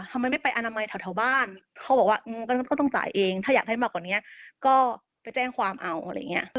ทำไมไม่ไปอนามัยแถวบ้านเขาบอกว่าก็ต้องจ่ายเองถ้าอยากให้มากกว่านี้ก็ไปแจ้งความเอาอะไรอย่างนี้